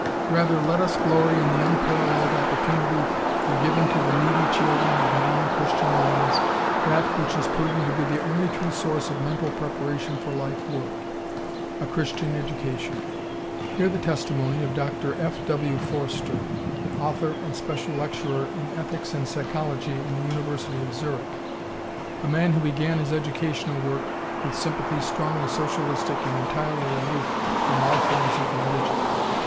Rather let us glory in the unparalleled opportunity for giving to the needy children of non Christian lands that which has proven to be the only true source of mental preparation for life work, a Christian education. Hear the testimony of Dr. F. W. Foerster, author and special lecturer in Ethics and Psychology in the University of Zurich, a man who began his educational work with sympathies strongly socialistic and entirely aloof from all forms of religion.